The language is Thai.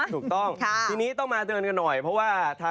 โดยซ่อมให้เขาใหม่เนาะ